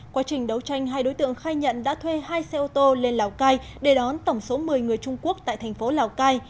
quá trình đấu tranh hai đối tượng khai nhận đã thuê hai xe ô tô lên lào cai để đón tổng số một mươi người trung quốc tại thành phố lào cai